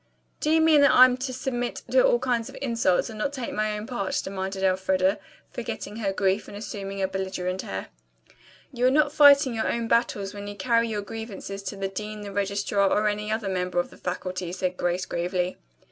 "Do you mean that I'm to submit to all kinds of insults and not take my own part?" demanded Elfreda, forgetting her grief and assuming a belligerent air. "You are not fighting your own battles when you carry your grievances to the dean, the registrar, or any other member of the faculty," said Grace gravely.